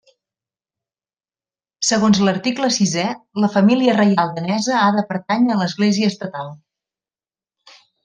Segons l'article sisè, la família reial danesa ha de pertànyer a l'església estatal.